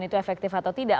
itu efektif atau tidak